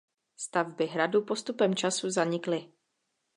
Stavby hradu postupem času zanikly.